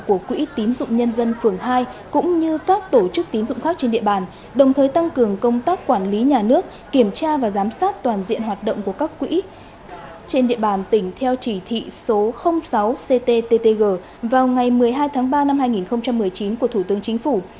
của quỹ tín dụng nhân dân phường hai cũng như các tổ chức tín dụng khác trên địa bàn đồng thời tăng cường công tác quản lý nhà nước kiểm tra và giám sát toàn diện hoạt động của các quỹ trên địa bàn tỉnh theo chỉ thị số sáu cttg vào ngày một mươi hai tháng ba năm hai nghìn một mươi chín của thủ tướng chính phủ